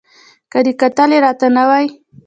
که دې کتلي را ته نه وای